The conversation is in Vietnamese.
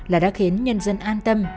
là đã khiến nhân dân an tâm